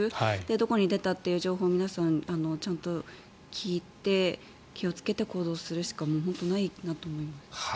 どこに出たっていうことを皆さん、ちゃんと聞いて気をつけて行動するしかないなと思います。